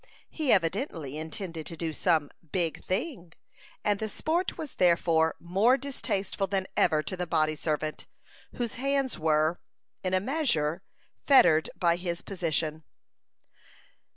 He evidently intended to do some "big thing," and the sport was therefore more distasteful than ever to the body servant, whose hands were, in a measure, fettered by his position.